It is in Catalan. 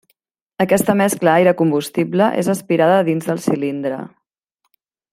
Aquesta mescla aire-combustible és aspirada dins del cilindre.